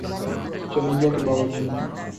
چیلنجوں کے باوجو